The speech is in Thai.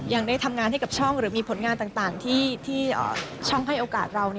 ยังได้ทำงานให้กับช่องหรือมีผลงานต่างที่ช่องให้โอกาสเรา